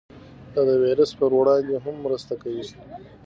دا د ویروس پر وړاندې هم مرسته کوي.